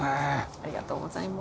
ありがとうございます。